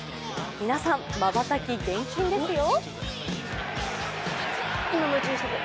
皆さん、まばたき厳禁ですよ。